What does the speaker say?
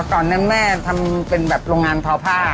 อ๋อก่อนนั้นแม่ทำเป็นแบบโรงงานเท้าผ้า